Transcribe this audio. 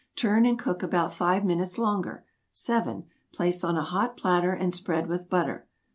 Turn, and cook about 5 minutes longer. 7. Place on a hot platter, and spread with butter.